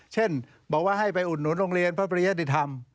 เช่นบอกว่าให้ไปอุดหนุนโรงเรียนพระปริยติธรรม